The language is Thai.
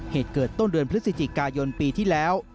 เหตุเกิดต้นเดือนพฤศจิกายนปีที่แล้ว